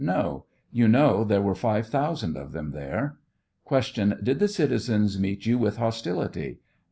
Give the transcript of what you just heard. No ; you know there were five thousand of them there. Q. Did the citizens meet you with hostility